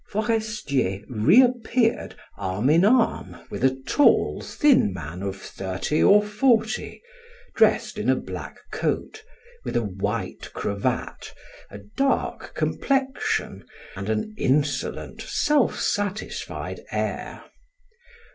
Forestier reappeared arm in arm with a tall, thin man of thirty or forty, dressed in a black coat, with a white cravat, a dark complexion, and an insolent, self satisfied air.